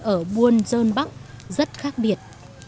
ở buôn dơn bắc rất khác biệt